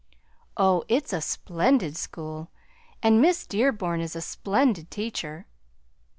"Oh, it's a splendid school! And Miss Dearborn is a splendid teacher!"